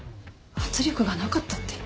圧力がなかったって。